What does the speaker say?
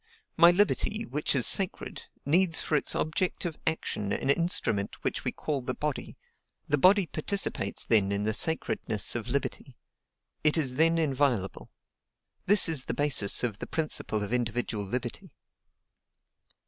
My liberty, which is sacred, needs for its objective action an instrument which we call the body: the body participates then in the sacredness of liberty; it is then inviolable. This is the basis of the principle of individual liberty.